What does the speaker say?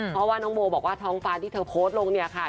เพราะว่าน้องโมบอกว่าท้องฟ้าที่เธอโพสต์ลงเนี่ยค่ะ